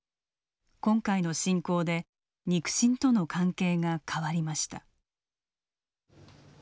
今回の侵攻で肉親との関係が変わりました。